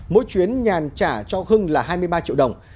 mỗi chuyến nhàn trả cho hưng là hai mươi ba triệu đồng